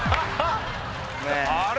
あれ？